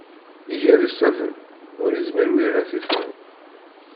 Iger iṣaben, ur izmir win ara t-iffren.